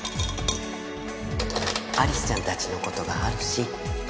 アリスちゃんたちの事があるし。